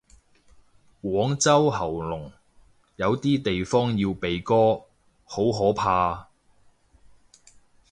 廣州喉嚨，有啲地方要鼻哥，好可怕。